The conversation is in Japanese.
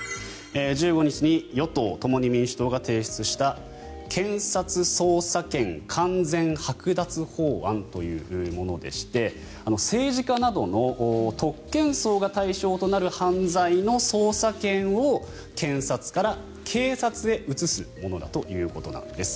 １５日に与党・共に民主党が提出した検察捜査権完全はく奪法案というものでして政治家などの特権層が対象となる犯罪の捜査権を検察から警察へ移すものだということです。